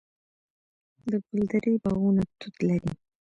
د ګلدرې باغونه توت لري.